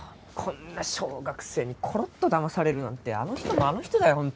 こんな小学生にコロッとだまされるなんてあの人もあの人だよ